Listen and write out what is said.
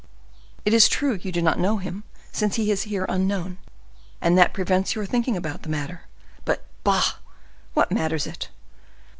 It is true you do not know him, since he is here unknown, and that prevents your thinking about the matter! But, bah! what matters it!